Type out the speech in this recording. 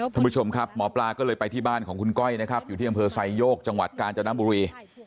ท่านผู้ชมครับหมอปลาก็เลยไปที่บ้านของคุณก้อยนะครับอยู่ที่กำเภอสายโยกจังหวัดกาญจนบุรี